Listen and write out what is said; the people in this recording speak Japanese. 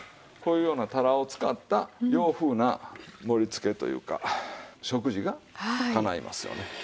こういうようなタラを使った洋風な盛り付けというか食事がかないますよね。